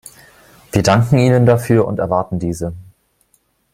Wir danken Ihnen dafür und erwarten diese.